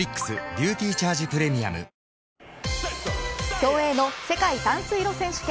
競泳の世界短水路選手権。